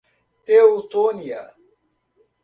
Teutônia